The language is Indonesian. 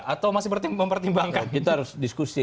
atau masih mempertimbangkan kita harus diskusi